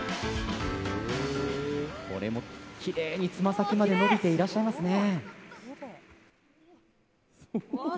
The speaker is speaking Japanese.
きれいにつま先まで伸びていらっしゃいますね。